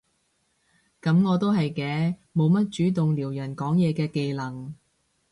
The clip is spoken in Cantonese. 噉我都係嘅，冇乜主動撩人講嘢嘅技能